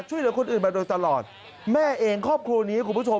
ช่วยเหลือคนอื่นมาโดยตลอดแม่เองครอบครัวนี้คุณผู้ชม